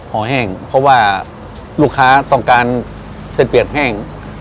อแห้งเพราะว่าลูกค้าต้องการเส้นเปียกแห้ง